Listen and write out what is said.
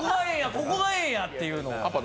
ここがええんやっていうのを。